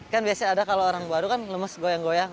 kan biasanya ada kalau orang baru kan lemes goyang goyang